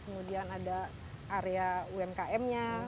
kemudian ada area umkm nya